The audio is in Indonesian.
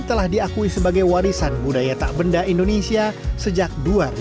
telah diakui sebagai warisan budaya tak benda indonesia sejak dua ribu